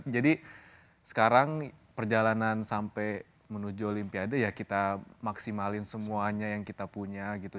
jadi sekarang perjalanan sampai menuju olimpiade ya kita maksimalin semuanya yang kita punya gitu